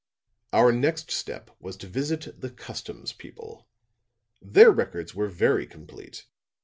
"'Our next step was to visit the customs people. Their records were very complete.